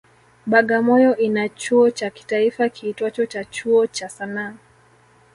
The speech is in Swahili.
Bagamoyo ina chuo cha kitaifa kiitwacho cha Chuo cha sanaa